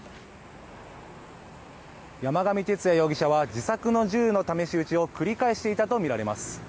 山上徹也容疑者は自作の銃の試し撃ちを繰り返していたとみられます。